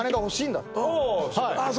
あっ